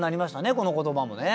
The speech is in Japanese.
この言葉もね。